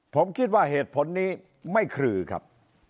ผมคิดว่าเหตุผลนี้ไม่ครือครับ